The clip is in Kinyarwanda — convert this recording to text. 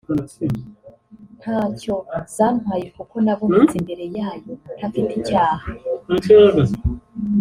nta cyo zantwaye kuko nabonetse imbere yayo ntafite icyaha